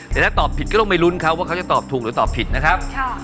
แต่ถ้าตอบผิดก็ต้องไปลุ้นเขาว่าเขาจะตอบถูกหรือตอบผิดนะครับ